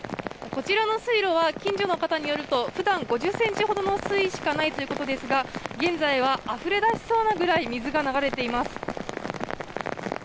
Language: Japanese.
こちらの水路は近所の方によると普段は５０ｃｍぐらいの水位しかないということですが現在はあふれ出しそうなぐらい水が流れています。